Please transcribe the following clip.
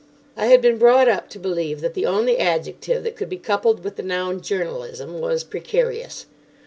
I had been brought up to believe that the only adjective that could be coupled with the noun "journalism" was "precarious."